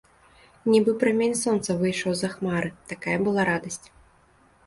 Нібы прамень сонца выйшаў з-за хмары, такая была радасць.